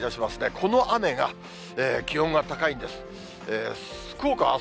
この雨が、気温が高いんです。